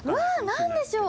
何でしょう？